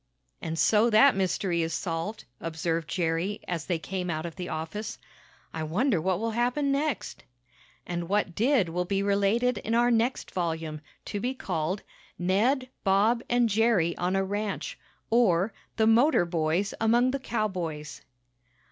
"And so that mystery is solved," observed Jerry, as they came out of the office. "I wonder what will happen next?" And what did will be related in our next volume, to be called, "Ned, Bob and Jerry on a Ranch; Or, The Motor Boys Among the Cowboys."